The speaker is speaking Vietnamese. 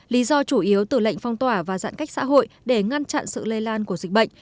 lý do chủ yếu từ lệnh phong tỏa và giãn cách xã hội để ngăn chặn sự lây lan của dịch bệnh